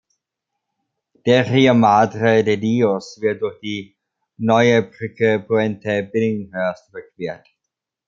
Der Rio Madre de Dios wird durch die neue Brücke Puente Billinghurst überquert.